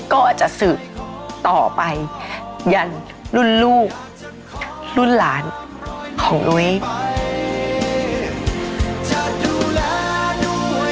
ก็อาจจะสืบต่อไปยันรุ่นลูกรุ่นหลานของนุ้ย